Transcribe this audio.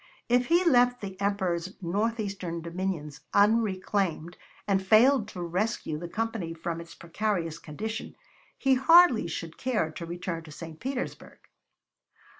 If he left the Emperor's northeastern dominions unreclaimed and failed to rescue the Company from its precarious condition, he hardly should care to return to St. Petersburg.